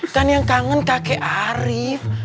kan yang kangen kakek arief